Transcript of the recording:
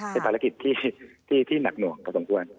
เป็นธนาคิดที่หนักหนวกก็สมควร